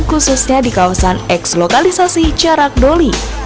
khususnya di kawasan eks lokalisasi jarak doli